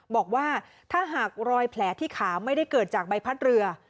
บอกว่าถ้าหากรอยแผลที่ขาไม่ได้เกิดจากใบพัดเรือ